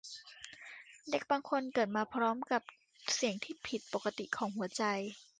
เด็กบางคนเกิดมาพร้อมกับเสียงที่ผิดปกติของหัวใจ